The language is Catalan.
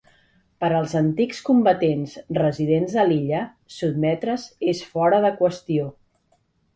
Per als antics combatents residents a l'illa, sotmetre's és fora de qüestió.